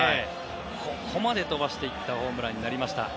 ここまで飛ばしていったホームランになりました。